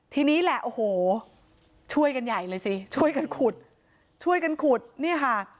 ทีนี้แหละโอ้โหช่วยกันใหญ่เลยสิช่วยกันขุดช่วยกันขุดเนี่ยค่ะ